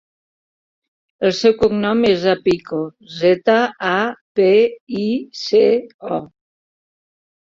El seu cognom és Zapico: zeta, a, pe, i, ce, o.